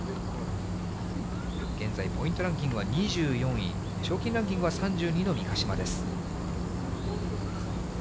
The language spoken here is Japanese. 現在、ポイントランキングは２４位、賞金ランキングは３２位の三ヶ島です。